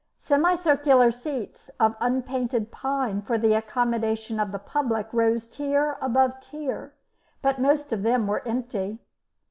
Semicircular seats of unpainted pine for the accommodation of the public rose tier above tier, but most of them were empty.